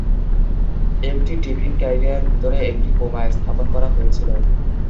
একটি tiffin carrier ভিতরে একটি বোমা স্থাপন করা হয়েছিল।